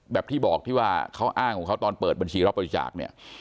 แบบที่บอกที่ว่าเขาอ้างของเขาตอนเปิดบัญชีรับบริจาคเนี่ย